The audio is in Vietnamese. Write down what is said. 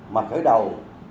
mà khởi đầu